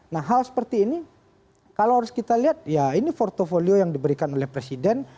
nah hal seperti ini kalau harus kita lihat ya ini portfolio yang diberikan oleh presiden